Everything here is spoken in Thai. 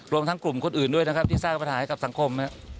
รวมทั้งกลุ่มคนอื่นด้วยนะครับที่สร้างปัญหาให้กับสังคม